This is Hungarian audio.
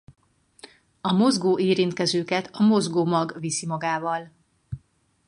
A mozgó érintkezőket a mozgó mag viszi magával.